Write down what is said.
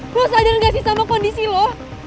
lu sadar gak sih sama kondisi lu